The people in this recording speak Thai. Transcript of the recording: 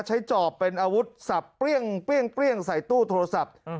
ใช้จอบเป็นอาวุธสับเปรี้ยงเปรี้ยงเปรี้ยงใส่ตู้โทรศัพท์